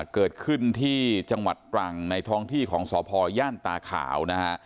เกิดขึ้นที่จังหวัดตรังในท้องที่ของสพย่านตาขาวนะฮะ